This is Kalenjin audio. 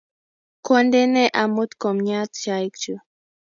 Kwondene amut kumnyat chaikchu